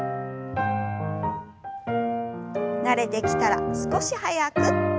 慣れてきたら少し早く。